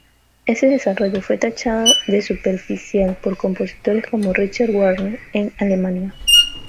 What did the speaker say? Ese desarrollo fue tachado de superficial por compositores como Richard Wagner en Alemania.